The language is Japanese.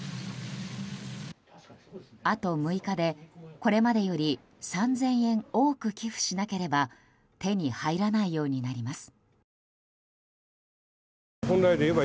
あと６日で、これまでより３０００円多く寄付しなければ手に入らないようになります。